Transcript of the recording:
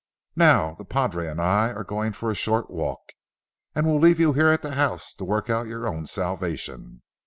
Now, the padre and I are going for a short walk, and we'll leave you here at the house to work out your own salvation.